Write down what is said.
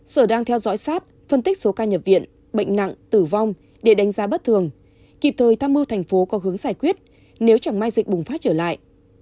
sở đang theo dõi sát phân tích số ca nhập viện bệnh nặng tử vong để đánh giá bất thường kịp thời tham mưu thành phố có hướng giải quyết nếu chẳng may dịch bùng phát trở lại